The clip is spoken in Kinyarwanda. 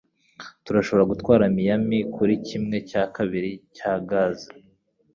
Turashobora gutwara Miami kuri kimwe cya kabiri cya gaze?